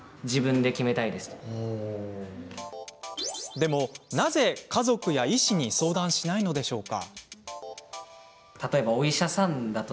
でも、なぜ家族や医師に相談しないのでしょうか？